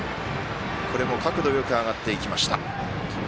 角度よく上がっていきました。